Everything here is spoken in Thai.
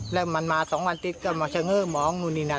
แล้วมันมา๒วันติดก็มาเฉง่อมองนู่นนี่นั่น